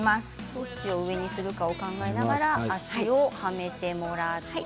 どっちを上にするか考えながら脚をはめてもらって。